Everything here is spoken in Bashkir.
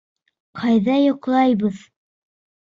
Ҡайҙа йоҡлайбыҙ?